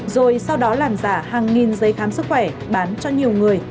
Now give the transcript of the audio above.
rồi sau đó làm giả hàng nghìn giấy khám sức khỏe bán cho nhiều người